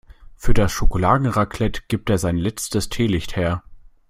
Für das Schokoladenraclette gibt er sein letztes Teelicht her.